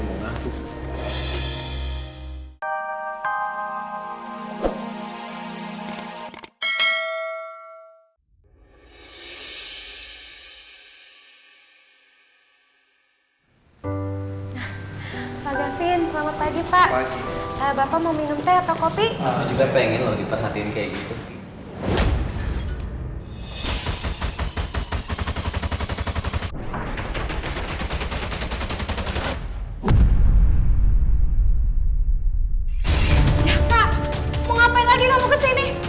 mau ngapain lagi kamu kesini